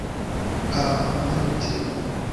Ha, manĝu tion!